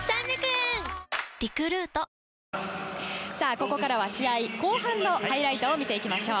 ここからは試合後半のハイライトを見ていきましょう。